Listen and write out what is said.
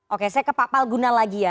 oke saya ke pak palguna lagi ya